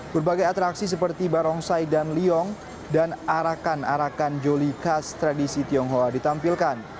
berbagai atraksi seperti barongsai dan liong dan arakan arakan joli khas tradisi tionghoa ditampilkan